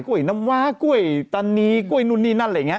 น้ำว้ากล้วยตานีกล้วยนู่นนี่นั่นอะไรอย่างนี้